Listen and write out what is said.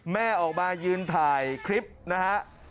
แม่ออกมายืนถ่ายคลิปนะฮะ